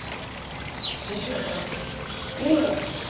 し新種やったらどうなるがですか！？